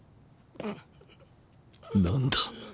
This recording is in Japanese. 何だ？